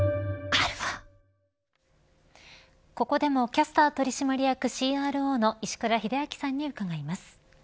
ここでもキャスター取締役ＣＲＯの石倉秀明さんに伺います。